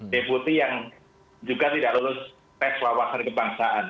deputi yang juga tidak lulus tes wawasan kebangsaan